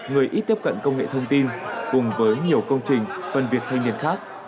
người ít tiếp cận công nghệ thông tin cùng với nhiều công trình phần việc thanh niên khác